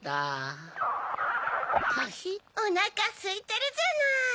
おなかすいてるじゃない。